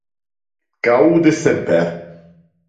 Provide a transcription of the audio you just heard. Gaude semper.